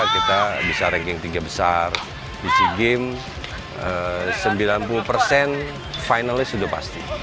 kita bisa ranking tiga besar di sea games sembilan puluh persen finalis sudah pasti